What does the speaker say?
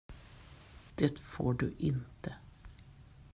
Det får du inte.